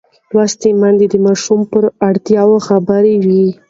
لوستې میندې د ماشوم پر اړتیاوو خبر وي.